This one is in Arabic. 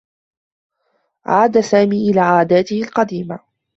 عاد سامي إلى عاداته القديمة.